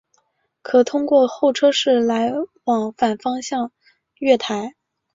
可通过候车室来往反方向月台。